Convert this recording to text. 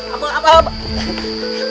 ampun ampun ampun